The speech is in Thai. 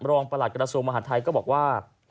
ประหลัดกระทรวงมหาดไทยก็บอกว่า